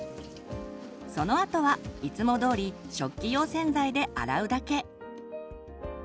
そのあとはいつもどおり食器用洗剤で洗うだけ。